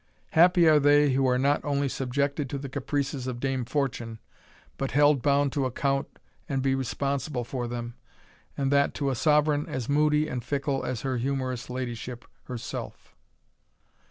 Happy are they who are not only subjected to the caprices of Dame Fortune, but held bound to account and be responsible for them, and that to a sovereign as moody and fickle as her humorous ladyship herself!"